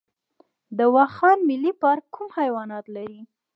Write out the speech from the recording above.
د واخان ملي پارک کوم حیوانات لري؟